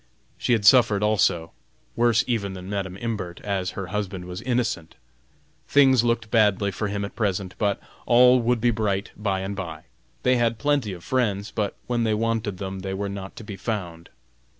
She had suffered also, worse even than Madam Imbert, as her husband was innocent. Things looked bad for him at present, but all would be bright by and by. They had plenty of friends, but when they wanted them, they were not to be found.